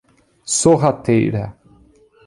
Sorrateira